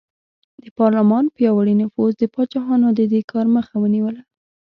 د پارلمان پیاوړي نفوذ د پاچاهانو د دې کار مخه ونیوله.